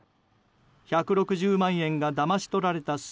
１６０万円がだまし取られた